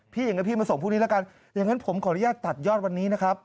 อย่างนั้นพี่มาส่งพวกนี้แล้วกันอย่างนั้นผมขออนุญาตตัดยอดวันนี้นะครับ